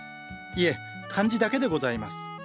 いえ漢字だけでございます。